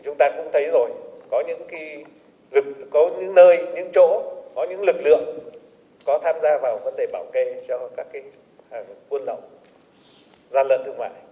chúng ta cũng thấy rồi có những nơi những chỗ có những lực lượng có tham gia vào vấn đề bạo kê cho các hàng buôn lậu gia lận thương mại